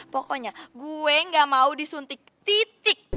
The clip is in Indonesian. pokoknya gue gak mau disuntik titik